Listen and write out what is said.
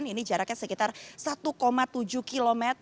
ini jaraknya sekitar satu tujuh km